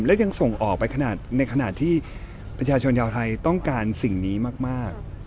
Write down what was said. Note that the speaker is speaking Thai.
และยังส่งออกไปขนาดในขณะที่ประชาชนชาวไทยต้องการสิ่งนี้มาก